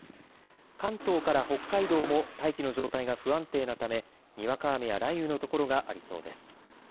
関東から北海道も大気の状態が不安定なため、にわか雨や雷雨の所がありそうです。